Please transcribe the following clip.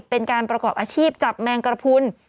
เป็นการประกอบอาชีพจับแมงกระพุน